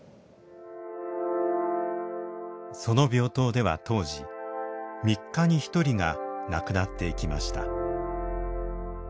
その病棟では当時３日に１人が亡くなっていきました。